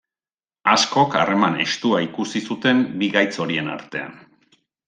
Askok harreman estua ikusi zuten bi gaitz horien artean.